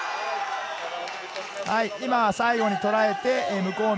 今、最後に捉えて無効面。